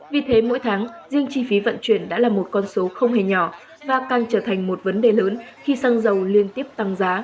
vì thế mỗi tháng riêng chi phí vận chuyển đã là một con số không hề nhỏ và càng trở thành một vấn đề lớn khi xăng dầu liên tiếp tăng giá